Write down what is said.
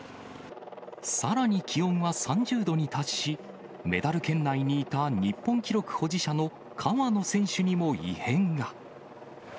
さらに気温は３０度に達し、メダル圏内にいた日本記録保持者の川野選手にも異変が。